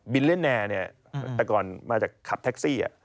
บิลลิเนอร์แต่ก่อนมาจากขับแท็กซี่